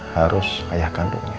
harus ayah kandungnya